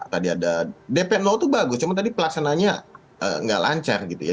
tadi ada dpm tuh bagus cuma tadi pelaksananya nggak lancar gitu ya